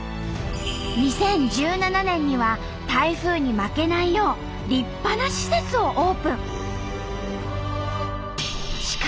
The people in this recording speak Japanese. ２０１７年には台風に負けないよう立派な施設をオープン。